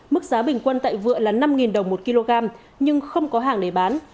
mức giá bình quân tại vựa là năm đồng một kg nhưng không có hàng để bán